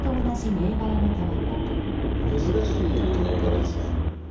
珍しい銘柄ですね。